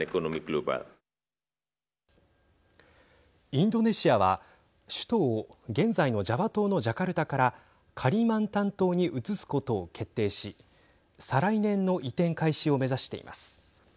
インドネシアは首都を現在のジャワ島のジャカルタからカリマンタン島に移すことを決定し再来年の移転開始を目指しています。